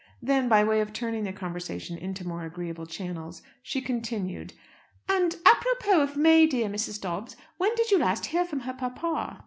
Then, by way of turning the conversation into more agreeable channels, she continued, "And, àpropos of May, dear Mrs. Dobbs, when did you last hear from her papa?"